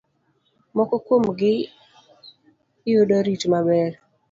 Moko kuom gi yudo rit maber.